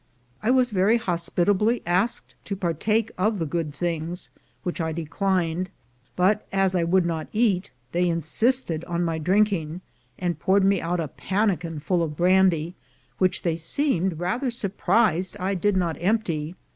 I was very hospitably asked to partake of the good things, which I declined; but as I would not eat, they insisted on my drinking, and poured me out a pannikin full of brandy, which they seemed rather surprised I did not empty.